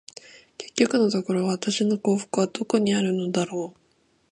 結局のところ、私の幸福はどこにあるのだろう。